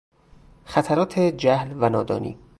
خطرات جهل و نادانی